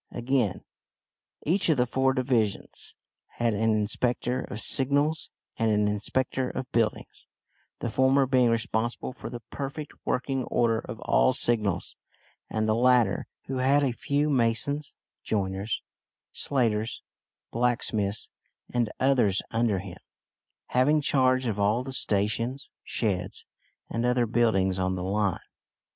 Again, each of the four divisions had an inspector of signals and an inspector of buildings, the former being responsible for the perfect working order of all signals, and the latter, who had a few masons, joiners, slaters, blacksmiths, and others under him, having charge of all the stations, sheds, and other buildings on the line.